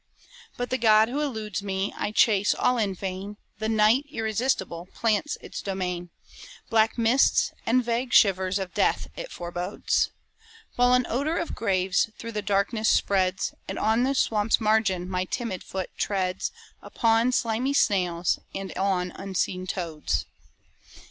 But the god, who eludes me, I chase all in vain, The night, irresistible, plants its domain, Black mists and vague shivers of death it forbodes; While an odour of graves through the darkness spreads, And on the swamp's margin, my timid foot treads Upon slimy snails, and on unseen toads.